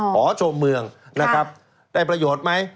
หอชมเมืองได้ประโยชน์ไหม